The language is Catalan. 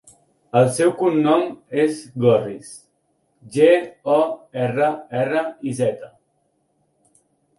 El seu cognom és Gorriz: ge, o, erra, erra, i, zeta.